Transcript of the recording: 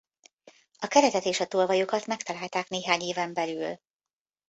A keretet és a tolvajokat megtalálták néhány éven belül.